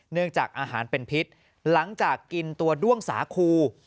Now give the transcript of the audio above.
จากอาหารเป็นพิษหลังจากกินตัวด้วงสาคู